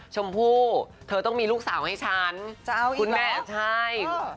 ชมพู่เธอต้องมีลูกสาวให้ฉันคุณแม่ใช่จะเอาอีกหรือ